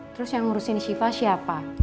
terus yang ngurusin siva siapa